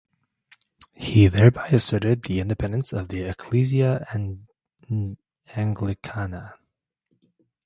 He thereby asserted the independence of the "Ecclesia Anglicana".